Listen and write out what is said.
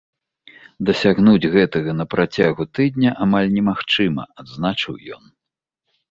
Дасягнуць гэтага на працягу тыдня амаль немагчыма, адзначыў ён.